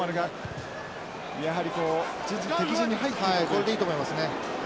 これでいいと思いますね。